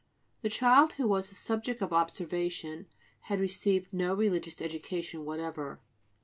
The child who was the subject of observation had received no religious education whatever.